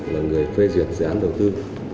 là người phê duyệt dự án đầu tư